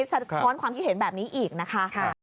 สะท้อนความคิดเห็นแบบนี้อีกนะคะ